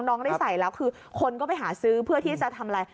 น้องได้ใส่แล้วคือคนก็ไปหาซื้อเพื่อที่จะทำอะไร